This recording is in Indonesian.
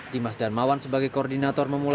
dimas darmawan sebagai koordinator memulai